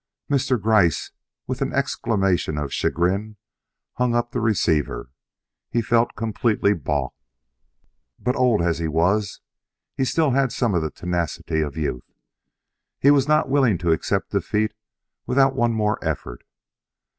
Mr. Gryce, with an exclamation of chagrin, hung up the receiver. He felt completely balked. But old as he was, he still had some of the tenacity of youth. He was not willing to accept defeat without one more effort.